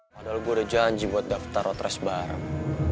padahal gue udah janji buat daftar roadres bareng